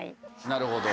なるほど。